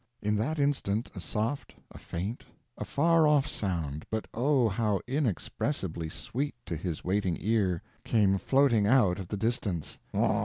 In that instant a soft, a faint, a far off sound, but oh, how inexpressibly sweet to his waiting ear, came floating out of the distance: "Waw...